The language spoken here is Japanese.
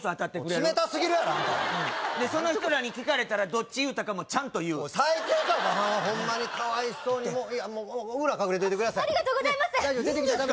冷たすぎるやろアンタその人らに聞かれたらどっち行ったかもちゃんと言う最低かおばはんはホンマにかわいそうにもう裏隠れといてくださいありがとうございますいいんですか？